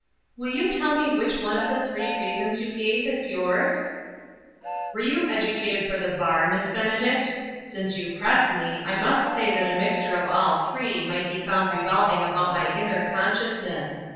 " Will you tell me which one of the three reasons you gave is yours ?" "Were you educated for the bar, Miss Benedict ? Since you press me, I must say that a mixture of all three might be found revolving about my inner consciousness.